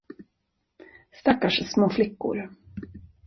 Stackars små flickor.